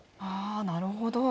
あなるほど。